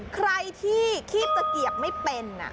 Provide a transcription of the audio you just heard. ใครที่คีบตะเกียบไม่เป็น